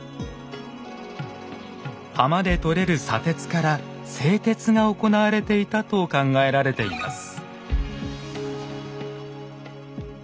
浜でとれる砂鉄から製鉄が行われていたと考えられています。